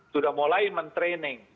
sudah mulai mentraining